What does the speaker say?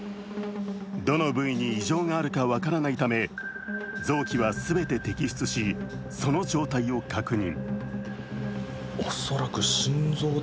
どの部位に異状があるかわからないため臓器はすべて摘出し、その状態を確認。